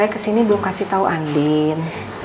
saya kesini belum kasih tahu andin